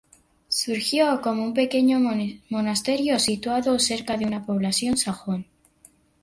Surgió como un pequeño monasterio situado cerca de un poblado sajón.